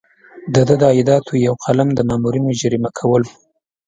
د ده د عایداتو یو قلم د مامورینو جریمه کول وو.